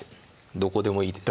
どこでもいいです